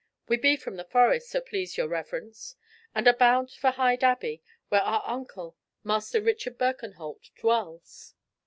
"We be from the Forest, so please your reverence, and are bound for Hyde Abbey, where our uncle, Master Richard Birkenholt, dwells."